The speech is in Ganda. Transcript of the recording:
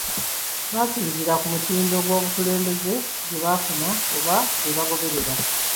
Basinziira ku mutindo gw’obukulembeze bwe bafuna oba bwe bagoberera.